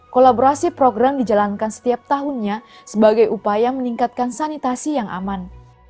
kolaborasi program dijalankan setiap tahunnya sebagai upaya meningkatkan sanitasi yang aman